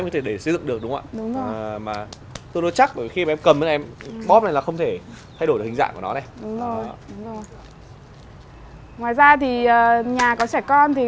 tư duy là khói quen